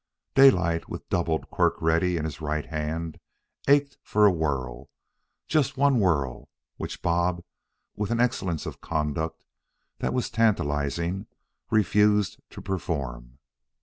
Daylight, with doubled quirt ready in his right hand, ached for a whirl, just one whirl, which Bob, with an excellence of conduct that was tantalizing, refused to perform.